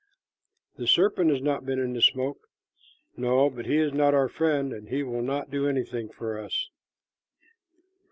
"The serpent has not been in the smoke." "No, but he is not our friend, and he will not do anything for us."